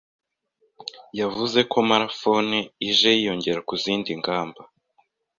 yavuze ko Mara Phones ije yiyongera ku zindi nganda